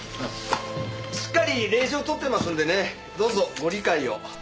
しっかり令状取ってますんでねどうぞご理解を。